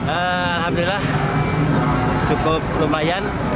alhamdulillah cukup lumayan